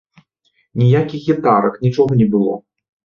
Ніякіх гітарак, нічога не было!